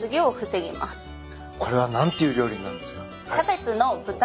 これは何ていう料理になるんですか？